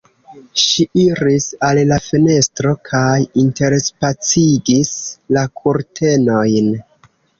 Ŝi iris al la fenestro kaj interspacigis la kurtenojn.